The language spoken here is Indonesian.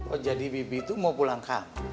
oh jadi bibik tuh mau pulang kampung